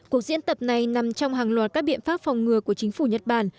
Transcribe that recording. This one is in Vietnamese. cuộc diễn tập này nằm trong hàng loạt các biện pháp phòng ngừa của chính phủ nhật bản